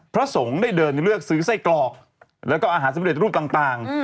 พระสงฆ์ได้เดินเลือกซื้อไส้กรอกแล้วก็อาหารสำเร็จรูปต่าง